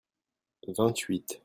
vingt huit.